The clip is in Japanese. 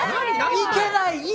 いけない！